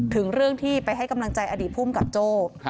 ถึงเรื่องที่ไปให้กำลังใจอดีตภูมิกับโจ้